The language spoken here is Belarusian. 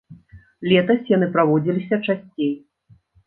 Летась яны праводзіліся часцей.